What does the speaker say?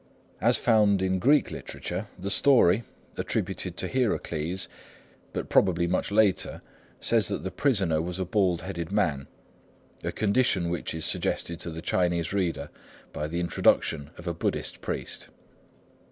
As found in Greek literature, the story, attributed to Hierocles, but probably much later, says that the prisoner was a bald headed man, a condition which is suggested to the Chinese reader by the introduction of a Buddhist priest.